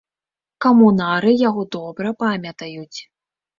Камунары яго добра памятаюць.